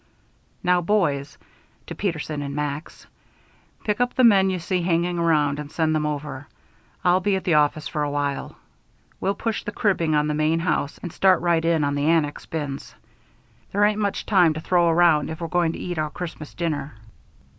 Now, boys" to Peterson and Max "pick up the men you see hanging around and send them over. I'll be at the office for a while. We'll push the cribbing on the main house and start right in on the annex bins. There ain't much time to throw around if we're going to eat our Christmas dinner."